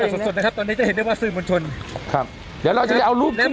ตอนนี้จะเห็นได้ว่าสื่อมันชนครับเดี๋ยวเราจะเอาลูกขึ้นอยู่